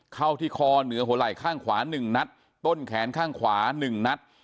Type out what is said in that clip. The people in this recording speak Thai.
เข้าที่คอเหนือหัวไหล่ข้างขวา๑นัดต้นแขนข้างขวา๑นัด